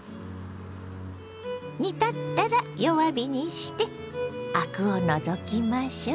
煮立ったら弱火にしてアクを除きましょう。